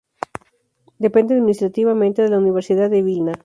Depende administrativamente de la Universidad de Vilna.